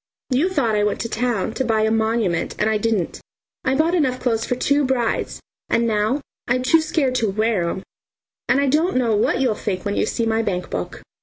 You thought I went to town to buy a monument, and I didn't; I bought enough clothes for two brides, and now I'm too scared to wear 'em, and I don't know what you'll think when you see my bankbook.